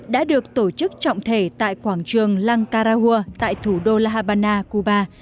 đã được tổ chức trọng thể tại quảng trường lang karahua tại thủ đô la habana cuba